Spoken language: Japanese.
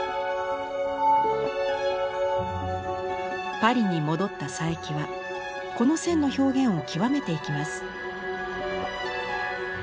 パリに戻った佐伯はこの線の表現を極めていきます。